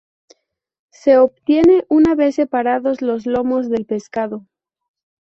Se obtiene una vez separados los lomos del pescado.